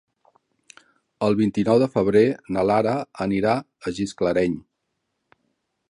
El vint-i-nou de febrer na Lara anirà a Gisclareny.